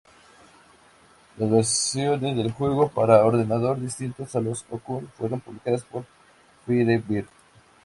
Las versiones del juego para ordenadores distintos a los Acorn fueron publicadas por Firebird.